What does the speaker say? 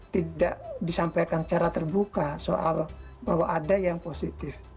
tidak disampaikan secara terbuka soal bahwa ada yang positif